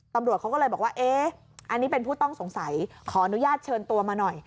ตำรวจเขาก็เลยบอกว่าเอ๊ะอันนี้เป็นผู้ต้องสงสัยขออนุญาตเชิญตัวมาหน่อย